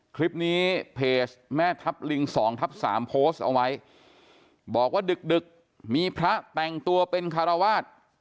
คลิปนี้เพจแม่ทัพลิง๒ทับ๓โพสต์เอาไว้บอกว่าดึกมีพระแต่งตัวเป็นคารวาส